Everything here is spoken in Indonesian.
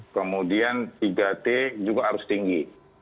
kemudian tiga t juga harus tinggi